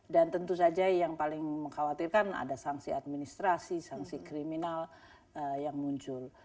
dan tentu saja yang paling mengkhawatirkan ada sanksi administrasi sanksi kriminal yang muncul